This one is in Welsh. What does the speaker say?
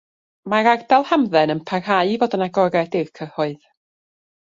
Mae'r Ardal Hamdden yn parhau i fod yn agored i'r cyhoedd.